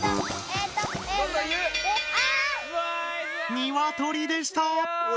「ニワトリ」でした。